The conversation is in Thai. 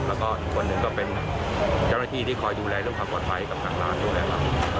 แล้วก็อีกคนหนึ่งก็เป็นเจ้าหน้าที่ที่คอยดูแลเรื่องความปลอดภัยกับทางร้านดูแลเรา